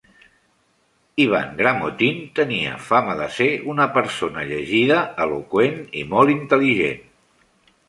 Ivan Gramotin tenia fama de ser una persona llegida, eloqüent i molt intel·ligent.